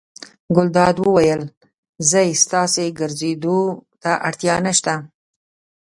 ګلداد وویل: ځئ ستاسې ګرځېدو ته اړتیا نه شته.